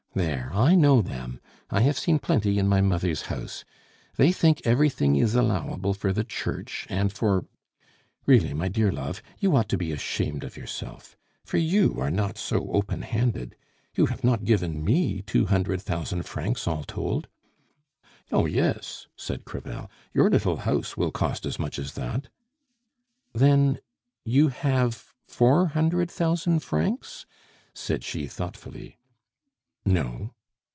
There, I know them. I have seen plenty in my mother's house. They think everything is allowable for the Church and for Really, my dear love, you ought to be ashamed of yourself for you are not so open handed! You have not given me two hundred thousand francs all told!" "Oh yes," said Crevel, "your little house will cost as much as that." "Then you have four hundred thousand francs?" said she thoughtfully. "No."